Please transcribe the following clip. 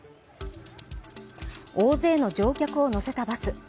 大勢の乗客を乗せたバス。